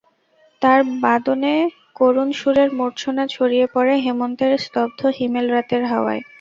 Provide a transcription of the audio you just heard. তাঁর বাদনে করুণ সুরের মূর্ছনা ছড়িয়ে পড়ে হেমন্তের স্তব্ধ হিমেল রাতের হাওয়ায়।